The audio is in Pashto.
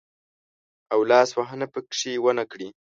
او لاس وهنه پکښې ونه کړي.